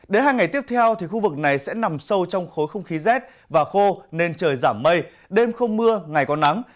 đến hai ngày tiếp theo thì khu vực này sẽ nằm sâu trong khối không khí rét và khô nên trời giảm mây đêm không mưa ngày có nắng